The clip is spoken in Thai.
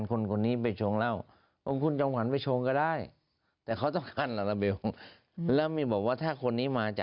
คือโลกมันเปลี่ยนนะ